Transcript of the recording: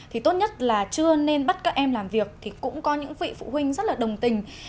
thì tốt nhất là chưa nên bắt các em làm việc thì cũng có những vị phụ huynh rất là đồng tình